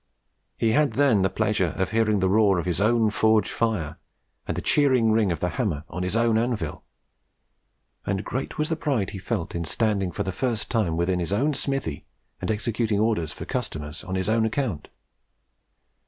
He had then the pleasure of hearing the roar of his own forge fire, and the cheering ring of the hammer on his own anvil; and great was the pride he felt in standing for the first time within his own smithy and executing orders for customers on his own account.